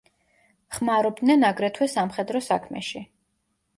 ხმარობდნენ აგრეთვე სამხედრო საქმეში.